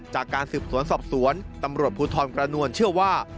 จากการสืบสวนสอบสวนตำรวจภูทรกระนวลเชื่อว่า